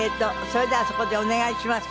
それではそこでお願いします。